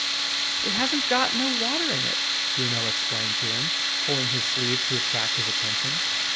"It hasn't got no water in it!" Bruno explained to him, pulling his sleeve to attract his attention.